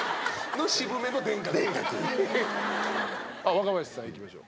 若林さんいきましょう。